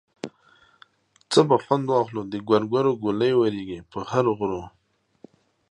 څه به خوند واخلو د ګورګورو ګولۍ ورېږي په هر غرو.